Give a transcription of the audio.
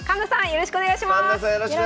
よろしくお願いします。